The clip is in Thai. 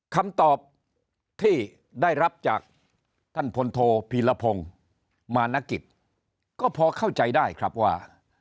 คำตอบที่ได้รับจากท่านพลโทพีรพงศ์มานกิจก็พอเข้าใจได้ครับว่า